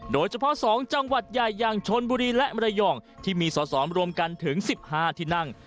โดยเฉพาะ๒จังหวัดใหญ่อย่างชนบุรีและมรยองที่มีสอสอรวมกันถึง๑๕ที่นั่ง